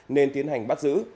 nên tiến hành bắt giữ